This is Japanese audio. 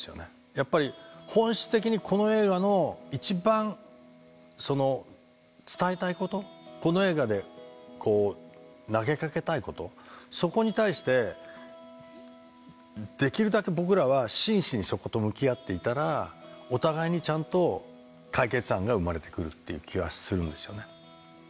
やっぱり本質的にこの映画の一番伝えたいことこの映画で投げかけたいことそこに対してできるだけ僕らは真摯にそこと向き合っていたらお互いにちゃんと解決案が生まれてくるっていう気はするんですよね。